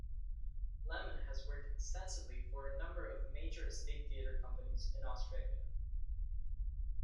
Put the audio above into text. Lemon has worked extensively for a number of major state theatre companies in Australia.